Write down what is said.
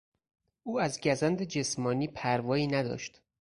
او از گزند جسمانی پروایی نداشت.